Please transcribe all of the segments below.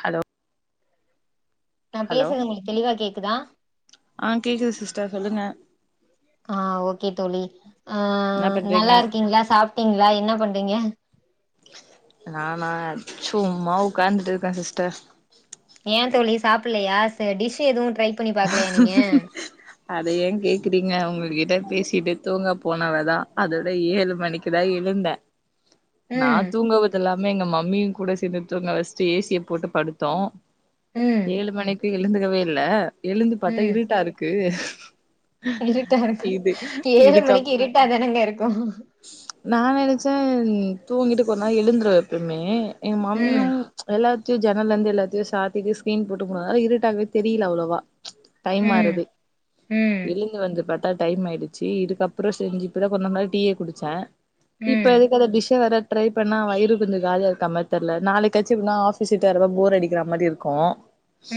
hello நா hello பேசுறது உங்களுக்கு தெளிவா கேக்குதா ஆ கேக்குது சிஸ்டர் சொல்லுங்க ஆ ஓகே தோழி அ என்ன பண்றீங்க நல்லா இருக்கீங்களா சாப்ட்டீங்களா என்ன பண்றீங்க நானா சும்மா உட்காந்துட்டு இருக்கே சிஸ்டர் ஏ தோழி சாப்பில்லையா டிஷ் எதுவு ட்ரை பண்ணி பாக்கலையா நீங்க அத ஏ கேக்குறீங்க அவுங்ளு எதோ பேசிட்டு தூங்க போனவதா அதோட ஏழு மணிக்கிதா எழுந்தே நா ம் தூங்குவதெல்லா ன்னு எங்க மம்மியு கூட சேந்து தூங்க வெச்சுட்டு ஏ சிய போட்டு படுத்தோ ம் ஏழு மணிக் ட்டு எழுந்துக்கவே இல்ல எழுந்து பாத்தா ம் இருட்டாருக்கு க்ஷ இருட்டா இருக்கு ஏழு மணிக்கி இதுக்கப்ற இருட்டாதானங்க இருக்கு நா நெனச்சே ம் தூங்கிட்டு கொஞ்ச நேரோ எழுந்துருவே எப்பமே எங்க மம்மியு ம் எல்லா த்து ஜன்னல்லருந்து எல்லத்தியு சாத்திட்டு ஸ்கிரீன் போட்டு முடாதுனால இருட்டாகவே தெரியில அவ்ளோவா டைம் ம் மாறதே ம் எழுந்து வந்து பாத் தா டைம் மாயிடுச்சு இதுக்கப்புறோ செஞ்சு இப்பதா கொஞ்ச முன்னாடி டீயே குடிச்சே இப்ப ம் எதுக்கு அத டிஷ்ஷ வேற ட்ரை பண்ணா வயிறு கொஞ்சோ காலியா இருக்கரமாறி தெர்ல நாளைக்காச்சு எப்ட்னா ஆஃபீஸிட்டு வரதா போர் அடிக்கிறா மாதிரி இருக்கு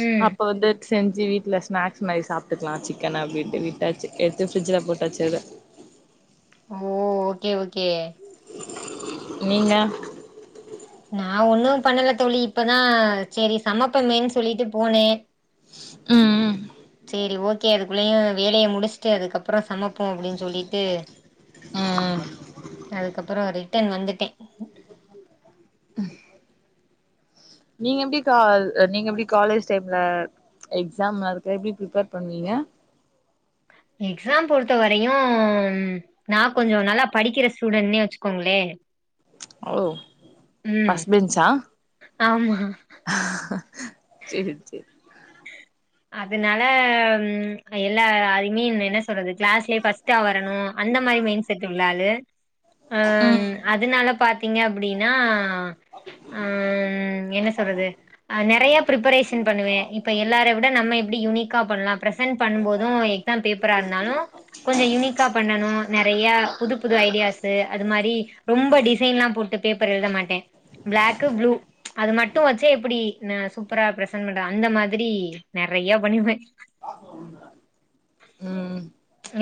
ம் அப்ப வந்து செஞ்சி வீட் ட்ல ஸ்நாக்ஸ் மாரி சாப்ட்டுக்கலா சிக்கன்ன அப்டின்ட்டு வீட்டாச்சு எடுத்து ஃப்ரிட்ஜில போட்டு வச்சுருக்குறே ஓ ஓகே ஓகே நீ நா நா ஒண்ணு பண்ணல தோழி இப்பதா சரி சமப்பமேன் சொல்லிட்டு போனே ம் சேரி ஓக் கே அதுக்குள்ளயு வேலய முடிச்சுட்டு அதுக்கப்புற சமைப்போ அப்டின் சொல்லிட்டு ம் ம் அதுக்கப்புற ரிட்டர்ன் வந்துட்டே நீங்க எப்டி கால் நீங்க எப்டி காலேஜ் டைம்ல எக்ஸாம் அதுக்கு எப்டி பிரிப்பேர் பண்ணுவீங்க எக்ஸாம் பொறுத்த வரையு நா கொஞ்ச நல்லா படிக்கிற ஸ்டூடண்ட்னே வச்சுக்கோங்களே ஓ ம் ஃபர்ஸ்ட்பெஞ்சா ஆமா செரி செரி அதனால எல்லா ஐ மீன் என்ன சொல்றது கிளாஸ்லயே ஃபஸ்ட்டா வரணு அந்த மாரி மைண்ட் செட் உள்ள ஆளு அம் ம் அதனால பா்த்தீங்க அப்படின்னா ஆம் என்ன சொல்றது நெறைய பிரப்பரேஷன் பண்ணுவே இப்ப எல்லாரு எப்டி தா நம்ம எப்டி யுனிக்கா பண்ணலா ப்ரெசென்ட் பண்ணும்போது எக்ஸாம் பேப்பரா இருந்தாலு கொஞ்ச யுனிக்கா பண்ணணு நெறய புது புது ஐடியாஷு அது மாரி ரொம்ப டிசைன்லா போட்டு பேப்பர் எழுத மாட்டே ப்ளாக்கு ப்ளூ அது மட்டு வச்சே எப்புடி நா சூப்பரா ப்ரெசென்ட் பண்றது அந்த மாதிரி நெறைய பண்ணிவ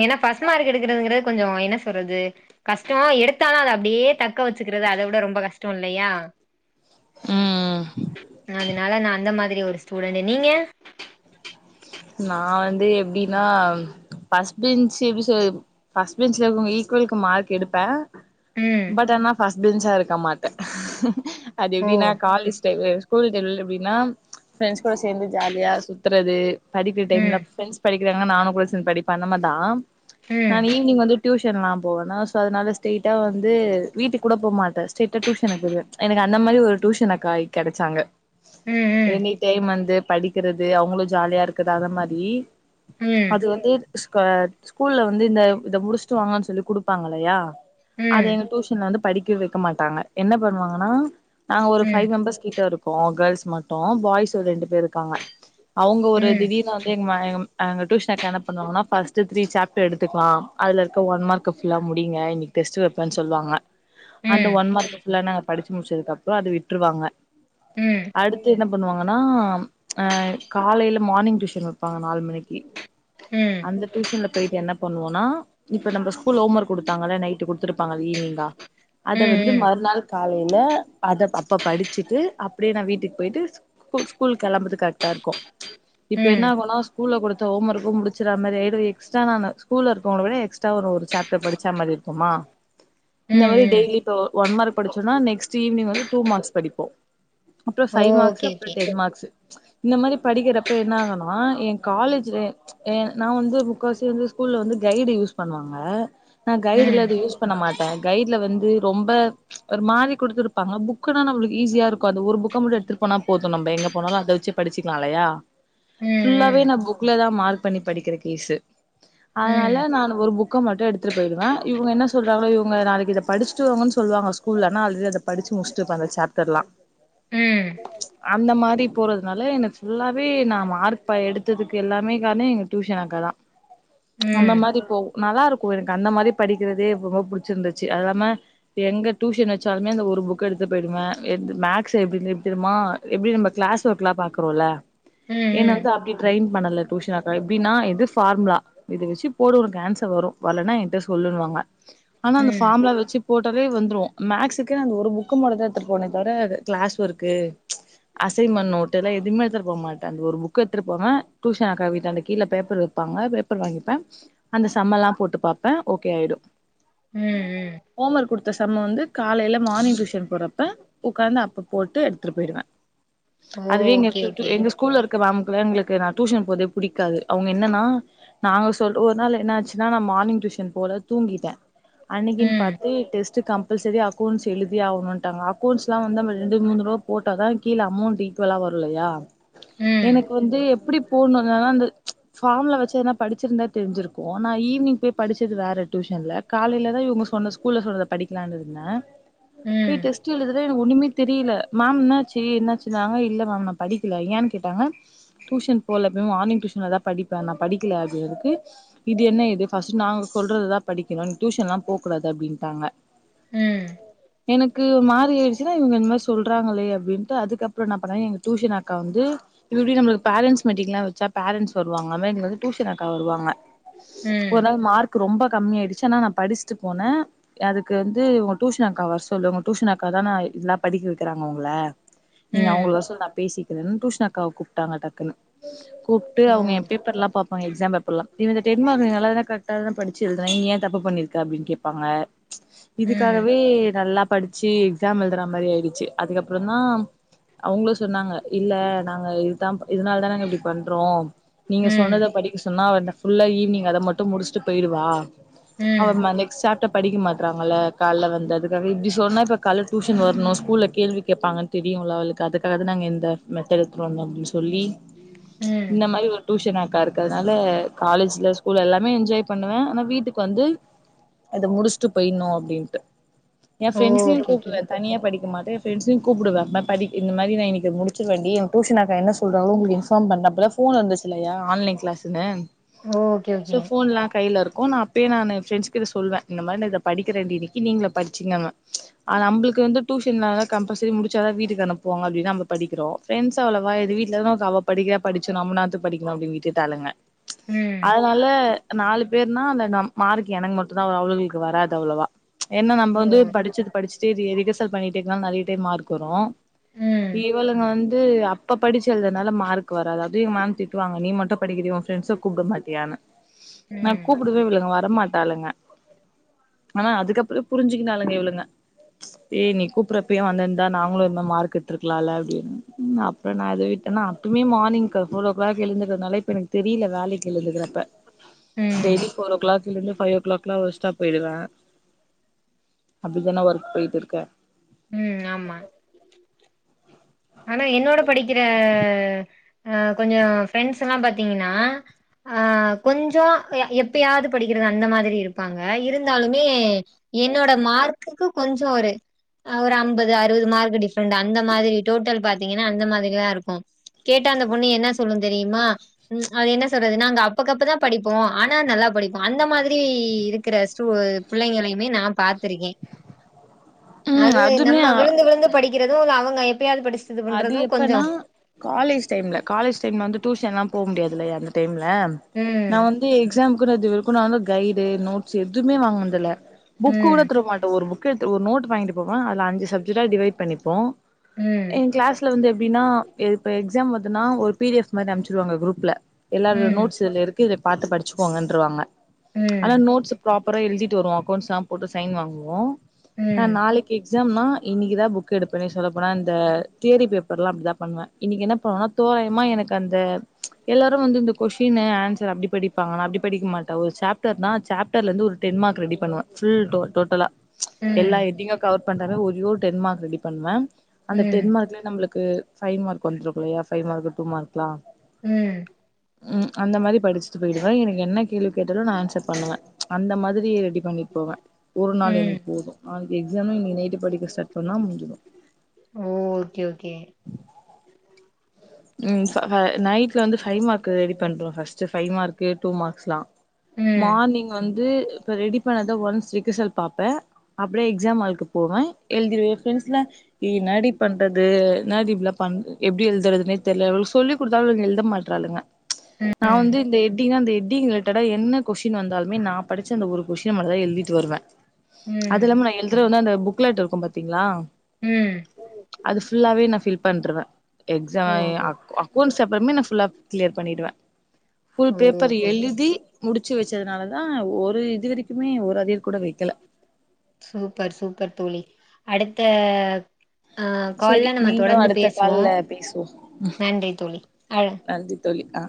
ஏன்னா பஃஸ்ட் மார்க் எடுக்கறதுங்கற கொஞ்சோ என்ன சொல்றது கஷ்ட எடுத்தாலு அத அப்டியே தக்க வச்சுக்கிறது அத விட ரொம்ப கஷ்ட இல்லையா ம் ம் அதனால நா அந்த மாதிரி ஒரு ஸ் ஸூடண்டு நீங்க நான் வந்து எப்டின்னா பஃர்ஸ்ட் பெஞ்சு எப்படி சொ ஃபஸ்ட் பெஞ்ச்ல உ ஈக்குவலுக்கு மார்க் எடுப்பே ம் பட் ஆனா ஃபஸ் பெஞ்சா இருக்க மாட்டே அது ஓ எப்டின்னா காலேஜ் டைவு ஸ்கூல் தெருல் எப்படின்னா ஃப்ரெண்ட்ஸ் கூட சேந்து ஜாலியா சுத்துறது படிக்கிற டைம்ல ம் ப்ரண்ட்ஸ் படி இருங்க நானு கூட சேந் படிப்பே அந்தமாதா ம் நான் ஈவ்னிங் வந்து டியூஷன்லா போவேனா சோ அதனால ஸ்டேட்டா வந்து வீட்டு கூட போமாட்டே ஸ்டைட்டா டியூஷனுக்கு போய்ருவே எனக்கு அந்த மாரி ஒரு டியூஷனக்கா கெடச்சாங்க ம் என்னி டைம் வந்து படிக்கிறது அவங்களு ஜாலியா இருக் இருக்குதா அது மாதி ம் ம் அது வந்து ஸ்கா ஸ்கூல்ல வந்து இந்த இத முடிச்சுட்டு வாங்கன் சொல்லி குடுப்பாங்கல்லையா அது ம் எங்க டூஷன்ல வந்துப் படிக்க வைக்க மாட்டாங்க என்ன பண்ணுவாங்கன்னா நாங்க ஒரு ம் பைவ் மெம்பர்ஸ் கிட்ட இருக் பொ கேர்ள்ஸ் மட்டு பாய்ஸ் ஒரு ரெண்டு பேர் இருக்காங்க அவுங்க ஒரு ம் திடிர்னு வந்து எங்க மயாகம் அங்க டியூஷன் அக்கா என்ன பண்ணுவாங்கன்னா ஃபர்ஸ்ட் த்ரீ சாப்ட்ர் எடுக்கலாம் அது இருக்க ஒன் மார்க் புல்லா முடிங்க இன்னைக்கு டெஸ்ட் வைப்பன்னு சொல்லுவாங்க அந்த ம் ஒன் மார்க் ஃபுல்லா நாங்க படிச் முடிச்சதுக்கு அப்புறோ அத விட்டுருவாங்க அடுத்து என்னப் பண்ணுவாங்கன்னா அ காலேயில மார்னிங் டியூஷன் தி வெருப்பாங்க நாலு மணிக்கி ம் அந்த டியூஷன்ல போயிட்டு என்ன பண்ணுவோனா இப்ப நம்ப ஸ்கூல்ல ஹோம் ஒர்க் குடுத்தாங்களே நைட்டு குடுத்தருப்பாங்க ஈவ்னிங்கா ம் அத வந்து ம் மறுநாள் காலேல அத தப்பா படிச்சுட்டு அப்டியே நா வீட்டுக்கு போயிட்டு ஸ்கூ ஸ்கூல் கெளம்பறதுக் கரெக்டாருக்கு ம் இப்ப ம் என்னாகொனா ஸ்கூல்ல குடுத் த்த ஹோம் ஒர்க்கு முடிச்சுர மாதிரி ஆயிடு எக்ஸ்ட்ரா நானு ஸ்கூல இருக்கவங்கள விட எஸ்ட்ரா ஒரு ஜப்டர் படிச்சா மாதிரி இருக்குமா இந்த ம் மாதிரி ம் டெய்லி இப்ப ஒன் மார்க் படிச்சோன்னா நெக்ஸ்ட் ஈவினிங் வந்து டூ மார்க்ஸ் படிப்போ அப்புறோ ஓ சைவ் மார்க்ஸு ஓகே அப்புறோ ஓகே டெடி மார்க்ஸூ இந்த மாதிரி படிக்கிறப் இப்ப என்னாகொனா ஏ காலேஜ்ல எ நா வந்து முக்காவாசி வந்து ஸ்கூல்ல வந்து கைடு யூஸ் பண்ணுவாங்க நா கைடுலா ம் அது யூஸ் பண்ண மாட்டே ட்ட கைட்ல வந்து ரொம்ப ஒரு மாறி குடுத்துருப்பாங்க புக்குன்னா நம்புளுக்கு ஈஸியாருக்கு அந்த ஒரு புக்க மட்டு எடுத்துட்டு போனா போது நம்ப எங்க போனாலு அத வெச்சு படிச்சுக்கலா இல்லையா ம் ம் ஃபுல்லாவே நா ம் புக்லதா மார் பண்ணி படிக்கிறக் ஈசு ம் ம் அதனால நானு ஒரு புக் புக்க மட்டு எடுத்துட்டு போயிடுவே இவுங்க என்ன சொல்றாங்களோ இவுங்க நாளைக்கு இத படிச்சுட்டுவங்கன்னு சொல்லுவாங்க ஸ்கூலனா அத ஆல்ரெடி அத படிச்சி முடிச்சிட்டு இருப்பே அந்த சாப்டர்லா ம் [inaudible] அந்த மாரி போறதுனால எனக்கு ஃபுல்லாவே நான் மார்க் ப எடுத்ததுக்கு எல்லாமே காரணோ எங்க டியூஷன் அக்கா தா அந்த மாரி போவு நல்லா இருக்கு எனக்கு அந்த மாரி படிக்கிறதே ரொம்ப புடிச்சிருந்துச்சு அது இல்லாம எங்க டியூஷன் வச்சாலுமே அந்த ஒரு புக்க எடுத்து போயிடுவே என்து மேக்ஸ் எப்டி எப்டிரிமா எப்டி நம்ம கிளாஸ் ஒர்க்லா பாக்குறோம்ல ம் ம் ஏனா ம் [unintelligible] அப்டி ட்ரெயின் பண்ணல டியூஷனக்கா எப்பின்னா இது ஃபார்முலா இது வச்சு போடு உனக்கு ஆன்சர் வரு வல்லனா என்ட்ட சொல்லுனுவாங்க ஆனா அந்த ஃபார்முலா வச்சு போட்டாவே வந்துரு மேக்ஷூக்கு அந்த ஒரு புக்கு மட்டுதா எடுத்துட் போனே தவர கிளாஸ் ஒர்க்கு அசைன்மெண்ட் நோட்டு இதுலா எதுமே எடுத்துட் போ மாட்ட த அந்த ஒரு புக்கு எடுத்துபோவே டியூஷன் அக்கா வீட்டா ன்ட கீழ பேப்பர் வைப்பாங்க பேப்பர் வாங்கிப்பே அந்த சம்மலா போட்டு பாப்பே ஓகே ஆயிடு ம் ம் ஹோம் ஒர்க் குடுத்த சம்ம வந்து காலையில மார்னிங் டியூஷன் போறப்ப உட்காந்து அப்ப போட்டு எடுத்துட்டு போயிருவே ஓ அதுவே எங்க ஓகே டு டு ஓகே எங்க ஸ் மேம்குலா எங்களுக்கு நா டியூஷன் போறதே புடிகாது அவுங்க என்னன்னா நாங்க சொல்ல ஒரு நாள் என்ன ஆச்சுன்னா நான் மார்னிங் டியூஷன் போல தூங்கிட்டே அன்னைக்கின் ம் பாத்து டெஸ்ட் கம்பல்சரி அக்கௌன்ட்ஸ் எழுதியே அவுனுன்டாங் அக்கௌன்ட்ஸ்லா வந்த [unintelligible] மூணு ரோ போட்டாதா கீழே அமௌன்ட் ஈக்வலா வரோ இல்லையா ம் எனக்கு வந்து எப் எப்டி போண்ணு அ அந்து ஃபார்முல வச்சு எதனா படிச்சிருந்தா தெரிஞ்சிருக்கு நா ஈவினிங் போய் படிச்சது வேற டியூசன்ல காலைலதா இவங்க சொன்ன ஸ்கூல்ல சொன்னத படிக்லான் இருந்தே ம் போய் டெஸ்ட் எழுது து ஒண்ணமே தெரியல மேம் என்னச்சு என்னாச்சுாங்க இல்ல மேம் நா படிக்கல என் கேட்டாங்க டியூஷன் போலமேம் மார்னிங் டியூஷன்ல தா படிப்பே நா படிக்கல அப்டிதுக்கு இது என்ன இது பர்ஸ்ட் நாங்க சொல்றததா படிக்கணு டியூஷன்லா போ கூடாது அப்டின்ட்டாங்க ம் எனக்கு ஒரு மாரி ஆயிடுச்சு இவுங்க இந்மாரி சொல்றாங்களே அப்டின்ட்டு அதுக்கப்றோ என்ன பண்ணே எங்க டியூஷன் அக்கா வந்து இப்டி நமளுக்கு பேரண்ட்ஸ் மீட்டிங் எல்லா வச்சா பேரண்ட்ஸ் வருவாங்க அதெமெரி எங்க டியூஷன் அக்கா வருவாங்க ஒரு ம் நாள் மார்க் கு ரொம்ப கம்மி ஆயிடுச்சு ஆனா நா படிச்சுட்டு போன அதுக்கு வந்து உங்க டூஷன் அக்காவ வர சொல்லு உங்க டியூஷன் அக்கா தான இதெல்லா படிக்க வைக்கிறாங்க உங்களே நீங்க ம் அவுங்கள வர சொல்லு நா பேசிக் கிறன் டியூஷன் அக் காவ கூப்டாங்க டக்குனு கூப் டு ஓ அவுங்க பேப்பர் எல்லா பாபாங்க எக்ஸாம் பேப் ல்ல இவ இந்த டென்மார்க் ஸ்டின் நல்லாதான கரக்டா தான படிச்சி எழுதுனா நீங்க ஏன் தப்பு பண்ணிருக்க அப்டின்னு கேப்பாங்க ம் இதுக்காகவே நல்லா படிச்சு எக்ஸாம் எழுதுற மாரியிடுச்சு அதுக்கப்புறோ தான் அவ்ங்களே சொன்னாங்க இல்ல நாங்க இதுதா இதனால தா நாங்க இப்டி பண்றோ நீங்க ம் சொன்னத படிக்க சொன்னா அ புல்லா ஈவினிங் அத மட்டு முடிச்சுட்டு போயிடுவா ம் ஆமாமேம் நெக்ஸ்ட் சாப்ட்ட படிக்க மாட் ட்றாங்களல கால்ல வந்ததுக்காக இப்டி சொன்னா இப்போ கால்ல டியூஷன் வர்ணு ஸ்கூல்ல கேள்வி கேட்பாங்னு தெரியும்ளா அவுளுக்கு அதுக்காதா நாங்கள் எந்த டுத்து வந்த அப்டின்னு சொல்லி ம் இந்த மாரி ஒரு டியூஷன் அக்கா இருக்குதுனால காலேஜ்ல ஸ்கூல் எல்லாமே என்ஜாய் பண்ணுவே ஆனா வீட்டுக்கு வந்து அத முடிச்சுட்டு போயணு அப்டின்ட்டு என் ஓ ஃப்ரெண்ட்ஸையு ஓகே ஓகே கூப்டுவே தனியா படிக்க மாட்ட என் ப்ரெண்டஸையு கூப்டுவே படி இந்த மாரி நா இனைக்கு முடிச்சுரு வேண் ஏ டியூஸான்க்கா என்ன சொல்றாங்களோ உங்ளுக்கு எக்ஸாம் வந்ததுக்கு அப்றோ போன் வந்துச்சுல்லயா ஆன்லைன் கிளாஸ்னு ஓகே சோ ஓகே போன் எல்லா கைல இருக்கு ஓ நா அப்பயே நானு ஃப்ரெண்ட்ஸ் கிட்ட சொல்லவே இந்த மாரி நா இத படிக்க வேண்ட இன்னைக்கு நீ படிச்சீங்கன்ன நமளுக்கு வந்து டூஷன்ல கம்பல்சரி முடிச்சாதா வீட்டுக்கு அனுப்புவாங்க அப்டின்னு நம்ம படிக்கிறோ பிரப்ரெண்டஸ் அவ்ளோவா எது வீட்லதா இருந்து அவ படிக படிச்சு நம்நாத்துக் படிக்கலாணு அப்டினு விட்டுடாளுங்க ம் அதனால நாலு பெறுனா அந்த நம் மார்க் எனக்கு மட்டுதா வரு அவுளுக்கு வராது அவ்ளோவா என்னா நம்ம ஓ வந்து படிச்சது படிச்சு சரி எதுக் பண்ணிட்டேக்கால நறையிட்டே மார்க் வரும் ம் இவளங்க வந்து அப்ப படிச்சதுனால மார்க் வராது திட்டுவாங்க நீ மட்டும் படிக்கவண்ட கூப்ட மாட்டியான்னு நான் ம் கூப்பிட்டுவே இவளுங்க வர மாட்டங்க ஆனா அதுக்கப்புறே புரிஞ்சுிக்கனங்க இவ்ளங்க ஏ நீ கூப்பறப்ப வந்திருந்தா நாங்களு இந்த மாரி மார்க் எடுத்ருக்கலா அப்படின்னு ம் அப்ப நான் எது விட்டேன்னா அப்பமே மார்னிங் போபோர் ஃவேர் ஓ கிளாக் எழுந்துக்கறதுனால இப்ப எனக்கு தெரியல வேலைக்கு எழுந்துக்கறிறப்ப ம் டெய்லி ஃபோர்ரோ கிளாக்ல லுந்து ஃவைவோ கிளாக்லா [unintelligible] ஸ்டாப் போயிடுவேன் அப்படித்தானே ஒர்க் போயிட்டு இருக்கே ம் ஆமா ஆனா என்னோட படிக்கிற அ கொஞ்சோ ஃப்ரெண்ட்ஸ் எல்லாம் பாத்தீங்கன்னா ஆ கொஞ்சோ எப்பயாது படிக்கிறது அந்த மாதிரி இருப்பாங்க இருந்தாலுமே என்னோட மார்க்குக்கு கொஞ்சோ ஒரு ஒரு அம்பது அறுபது மார்க் டிஃப்ரெண்ட் அந்த மாரி டோட்டல் பாத்தீங்கன்னா அந்த மாதிரி தா இருக்கும் கேட்டா அந்த பொண்ணு என்ன சொல்லு தெரியுமா அது என்ன சொல்றது நாங்க அப்பக்கப்பதான் படிப்போம் ஆனா நல்லா படிப்போ அந்த மாதிரி இருக்கிற ஸ்டூட பிள்ளைங்களுமே நா பாத் துருக்க ம் அது அதுமே நம்ம விழுந்து விழுந்து படிக் கிறதுல அவங்க இப் அது எப்பனா காலேஜ் டைம்ல காலேஜ் டைம்ல வந்து டூஷன் லாம் போ முடியாது கல அந்த டைம்ல ம் நா வந்து எக்ஸாம்கூட அது கு நா வந்து கைடு நோட்ஸ் எதுவுமே வாங்கினதுல புக்கு கூட ம் திருப்ப மாட்டோம் ஒரு புக் ஒரு நோட்டு வாங்கிட்டு போவே அதுல அஞ்சு சப்ஜெக்டா டிவைட் பண்ணிப்போ ம் என் கிளாஸ்ல வந்து எப்படின்னா இப்ப எக்ஸாம் வருதுனா ஒரு பிடிஎஃப் மாரி அனுப்சுருவாங்க குரூப்ல எல்லாரு ம் நோட்ஸ் இதுல இருக்கு இதப் பாத்து படிச்சுக்கோங்கருவாங்க ஆனா ம் நோட்ஸ் பிராப் அப்புற எழுதிட்டு வருவோம் அகௌண்ட்ஸ் போட்டு சைன் வாங்குவோ ஆ ம் நாளைக்கு எக்சு எக்ஸாம்னா இன்னைக்குதா புக் எடுப்பேன்ன சொல்லப்போனா இந்த தியரி பேப்பர் எல்லாம் அப்படிதா பண்ணுவ இன்னைக்கு என்ன பண்ணுவனா தோராயமா எனக்கு அந்த எல்லாரும் வந்து இந்த கொஸினு ஆன்சர் அப்படி படிப்பாங்க நா அப்படி படிக்க மாட்டேன் ஒரு சேப்டர்னா சேப்டர்ல இருந்து ஒரு டென் மார்க் ரெடி பண்ணுவேன் ஃபுல் டோட்டலா எல்லாம் ம் கெட்டிங்க கவர் பண்ற ஒ ஒரு டென் மார்க் ரெடி பண்ணுவ ம் நம்ளுக்கு பைவ் மார்க் வந்திருக்கு இல்லையா பைவ் மார்க் டூ மார்க்லாம் ம் ம் அந்த மாரி படிச்சிட்டு போயிடுவேன் எனக்கு என்ன கேள்வி கேட்டாலும் நான் ஆன்சர் பண்ணுவேன் அந்த மாதிரி ரெடிப் இது பண்ணிட் போவேன் ஒரு நாள் ம் எனக்கு போதும் நாளிக்கி எக்ஸாமே இன்னிக்கி நைட்டு படிக்க ஸார்ட் பண்ணா முடி ஓ ஓகே ஓகே ம் சோ [unintelligible] நைட்ல வந்து ஃபைவ் மார்க் ரெடி பண்றோ ஃபர்ஸ்ட் ஃபைவ் மார்க்கு டூ மார்க்ஸ்ல்லா ம் மார்னிங் வந் து இப்ப ரெடி பண்ணத ஒன்ஸ் ரிகசல் பாப்போ அப்டியே எக்ஸாம் ஹாலுக்கு போவே எழுதிவே எ ஃபிரண்ட்ஸ்லா என்னாடி பண்றது என்னாடி இப்டில பண் எப்டி எழுதுறதுனே தெர்ல இவுளுக சொல்லி குடுத்தாலு இவுளுங் எழுத மாட்றாளுங்க நா ம் வந்து இந்த எப்டினா இந்த இத் ஹெட்டிங் ரிலேட்டடா என்ன கொஷின் வந்தாலுமே நா படிச்ச அந்த ஒரு கொஷின்ன மட்டுந்தா எழுதிட்டு வருவே அது ம் இல்லாம நா எழுதுறவந்து அந்த புக் க்லேட்ருக்கு பாத்தீங்களா ம் அது ஃபுல்லாவே நா ஃபில் பண்ருவே எக்ஸா ஓ [unintelligible] அக் அக்கோண்ட்ஸ் [inaudible] அப்றமே நா ஃபுல்லா கிளியர் பண்ணிடுவே ஃபுல் பேப்பரு ஓகே ஓகே எழுதி முடி ச்சி வச்சதுனாலதா ஒரு இது வரக்குமே ஒரு அரியர் கூட வைக்கில சூப்பர் சூப்பர் தோழி அடுத்த ஆ சேரி கால்ல நம்ம மீண்டு தொடந்து அடுத்த பேசுவோ கால்ல பேசுவோ நன்றி தோழி அழ நன்றி தோழி ஆ